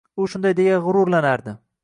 u shunday deya g’ururlanardi